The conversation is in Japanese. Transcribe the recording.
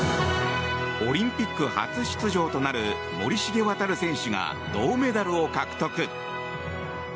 オリンピック初出場となる森重航選手が銅メダルを獲得。